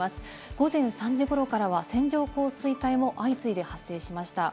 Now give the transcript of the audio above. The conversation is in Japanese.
午前３時頃からは線状降水帯も相次いで発生しました。